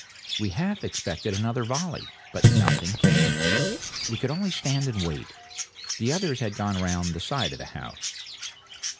We half expected another volley. But nothing came. We could only stand and wait. The others had gone round the side of the house.